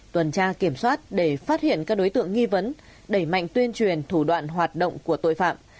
tuần tra kiểm soát để phát hiện các đối tượng nghi vấn đẩy mạnh tuyên truyền thủ đoạn hoạt động của tội phạm